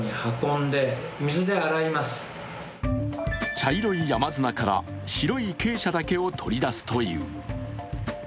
茶色い山砂から白い珪砂だけを取り出すという。